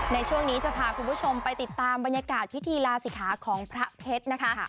ในช่วงนี้จะพาคุณผู้ชมไปติดตามบรรยากาศพิธีลาศิกขาของพระเพชรนะคะ